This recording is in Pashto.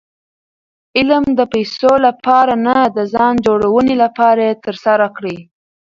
علم د پېسو له پاره نه، د ځان جوړوني له پاره ئې ترسره کړئ.